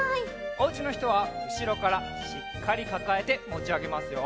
おうちのひとはうしろからしっかりかかえてもちあげますよ。